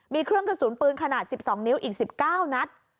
มีเครื่องกระสุนปืนขนาด๑๒นิ้วอีก๑๙นัด